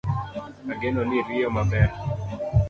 Ageno ni riyo maber